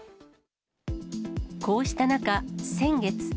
こうした中、先月。